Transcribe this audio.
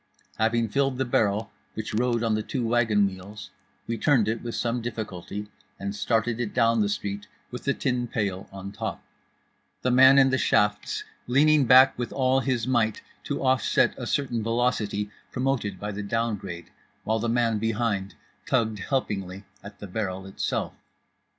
Having filled the barrel which rode on the two wagon wheels, we turned it with some difficulty and started it down the street with the tin pail on top; the man in the shafts leaning back with all his might to offset a certain velocity promoted by the down grade, while the man behind tugged helpingly at the barrel itself.